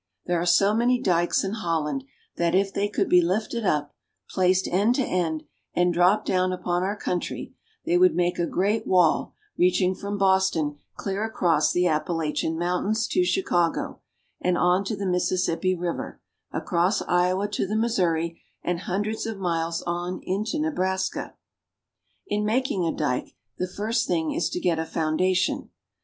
There are so many dikes in Holland tfiat if they could be lifted up, placed end to end, and dropped down upon our country, they would make a great wall reaching from Boston clear across the Appalachian Mountains to Chicago, and on to the Mississippi River, across Iowa to the Missouri, and hun dreds of miles on into Nebraska. In making a dike the first thing is to get a foundation.